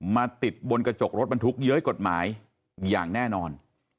มาติดบนกระจกรถบรรทุกเย้ยกฎหมายอย่างแน่นอน